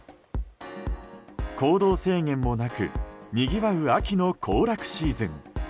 行動制限もなくにぎわう秋の行楽シーズン。